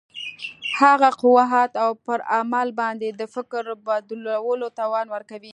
هغه قوت او پر عمل باندې د فکر بدلولو توان ورکوي.